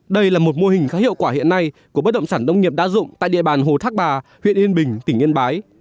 đây là một mô hình khá hiệu quả hiện nay của bất động sản đông nghiệp đa dụng tại địa bàn hồ thác bà huyện yên bình tỉnh yên bái